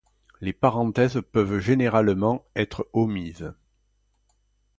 Les parenthèses peuvent généralement être omises.